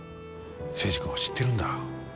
征二君を知ってるんだ。